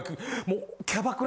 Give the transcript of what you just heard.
もう。